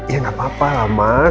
ya gak apa apa lah mah